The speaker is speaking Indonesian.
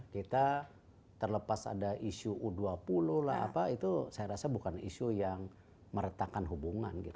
kita terlepas ada isu u dua puluh lah apa itu saya rasa bukan isu yang meretakan hubungan gitu